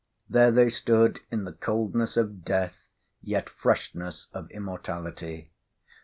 There they stood in the coldness of death, yet freshness of immortality.